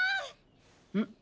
うん？